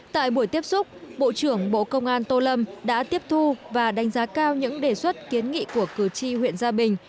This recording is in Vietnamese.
tại buổi tiếp xúc bộ trưởng bộ công an tô lâm đã tiếp thu và đánh giá cao những đề xuất kiến nghị của cử tri huyện gia bình